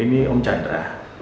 ini om chandra